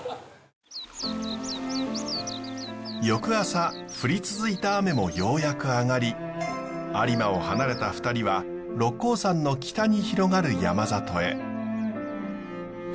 翌朝降り続いた雨もようやく上がり有馬を離れた２人は六甲山の北に広がる山里へ。